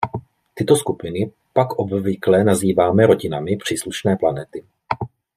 Tyto skupiny pak obvykle nazýváme "rodinami" příslušné planety.